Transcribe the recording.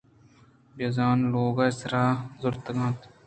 بہ زان لوگے سرا زُرتگ اَت